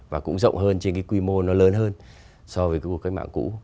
và cũng rộng hơn trên cái quy mô nó lớn hơn so với cái cuộc cách mạng cũ